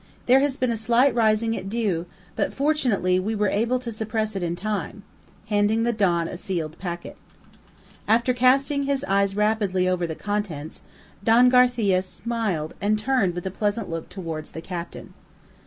There has been a slight rising at Diu, but, fortunately, we were able to suppress it in time," handing the don a sealed packet. After casting his eyes rapidly over the contents, Don Garcia smiled and turned with a pleased look towards the captain.